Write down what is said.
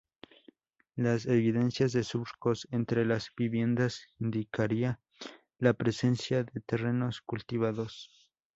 Las evidencias de surcos entre las viviendas indicaría la presencia de terrenos cultivados.